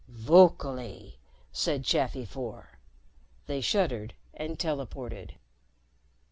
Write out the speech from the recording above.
"Vocally," said Chafi Four. They shuddered and teleported.